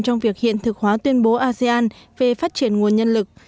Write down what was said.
trong việc hiện thực hóa tuyên bố asean về phát triển nguồn nhân lực